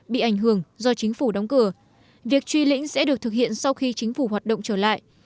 bị ảnh hưởng do chính phủ đóng cửa việc truy lĩnh sẽ được thực hiện sau khi chính phủ hoạt động trở lại